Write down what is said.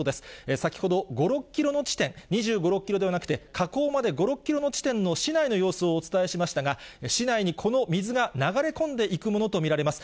先ほど、５、６キロの地点、２５、６キロではなくて、河口まで５、６キロの地点の市内の様子をお伝えしましたが、市内にこの水が流れ込んでいくものと見られます